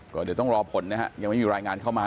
ก็เดี๋ยวต้องรอผลนะฮะยังไม่มีรายงานเข้ามา